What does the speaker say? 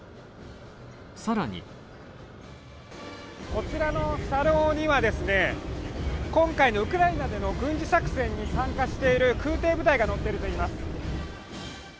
更にこちらの車両には、今回のウクライナでの軍事作戦に参加している空てい部隊が乗っているといいます。